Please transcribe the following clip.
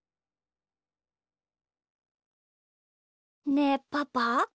ねえパパ。